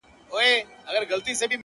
• خبردار چي نوم د قتل څوك ياد نه كړي ,